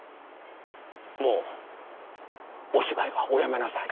もうお芝居はおやめなさい。